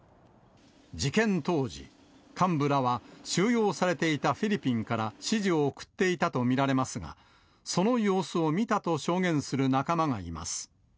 事件当時、幹部らは収容されていたフィリピンから指示を送っていたと見られますが、その様子を見たと証言する仲間がいます。